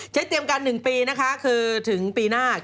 เตรียมการ๑ปีนะคะคือถึงปีหน้า